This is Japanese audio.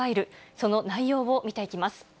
その内容を見ていきます。